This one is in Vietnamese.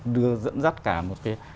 đưa dẫn dắt cả một cái